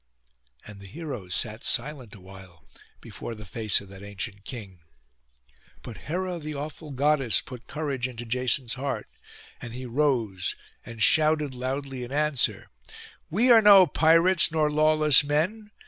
And the heroes sat silent awhile before the face of that ancient king. But Hera the awful goddess put courage into Jason's heart, and he rose and shouted loudly in answer, 'We are no pirates nor lawless men.